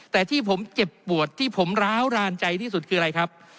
แต่ที่ผมเจ็บปวดที่ผมร้าวรานใจที่สุดคืออะไรครับ